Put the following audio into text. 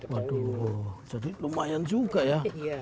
waduh jadi lumayan juga ya